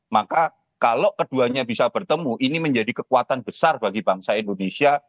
maka kalau keduanya bisa bertemu ini menjadi kekuatan besar bagi bangsa indonesia